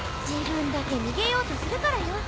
自分だけ逃げようとするからよ。